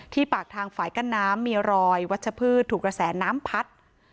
ปากทางฝ่ายกั้นน้ำมีรอยวัชพืชถูกกระแสน้ำพัด